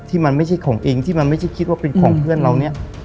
มันไม่ใช่ของเองที่มันไม่ใช่คิดว่าเป็นของเพื่อนเราเนี่ย